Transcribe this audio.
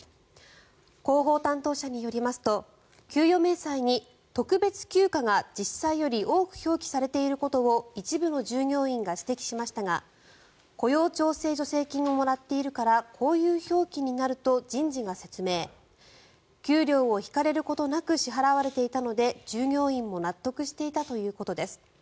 広報担当者によりますと給与明細に特別休暇が実際より多く表記されていることを一部の従業員が指摘しましたが雇用調整助成金をもらっているからこういう表記になると人事が説明給料を引かれることなく支払われていたので従業員も納得していたということです。